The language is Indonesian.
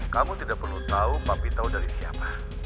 kamu tidak perlu tahu papi tahu dari siapa